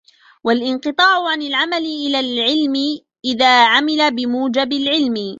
وَالِانْقِطَاعُ عَنْ الْعَمَلِ إلَى الْعِلْمِ إذَا عَمِلَ بِمُوجِبِ الْعِلْمِ